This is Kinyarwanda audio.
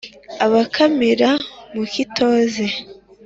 Abakamira mu kitoze